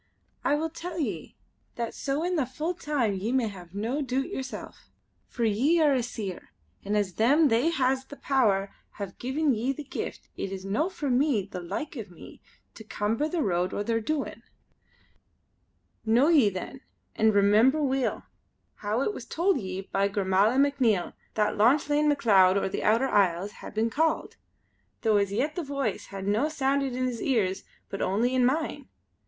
"I will tell ye; that so in the full time ye may hae no doot yersel'. For ye are a Seer and as Them that has the power hae gien ye the Gift it is no for the like o' me to cumber the road o' their doin'. Know ye then, and remember weel, how it was told ye by Gormala MacNiel that Lauchlane Macleod o' the Outer Isles hae been Called; tho' as yet the Voice has no sounded in his ears but only in mine.